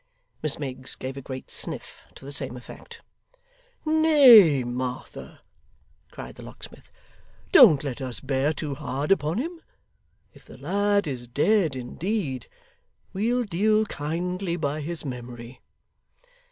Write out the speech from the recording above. Miss Miggs gave a great sniff to the same effect. 'Nay, Martha,' cried the locksmith, 'don't let us bear too hard upon him. If the lad is dead indeed, we'll deal kindly by his memory.